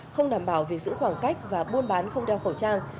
không đảm bảo việc giữ khoảng cách và buôn bán không đeo khẩu trang